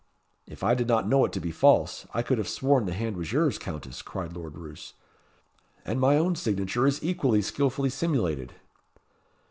"If I did not know it to be false, I could have sworn the hand was yours, Countess," cried Lord Roos; "and my own signature is equally skilfully simulated."